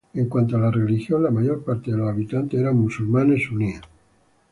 En cuanto a la religión, la mayor parte de los habitantes eran musulmanes suníes.